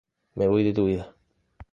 Me voy de tu vida.